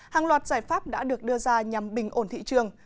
hàng loạt giải pháp đã được đưa ra nhằm bình ổn thị trường